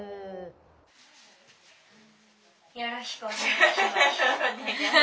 よろしくお願いします。